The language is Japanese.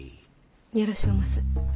よろしおます。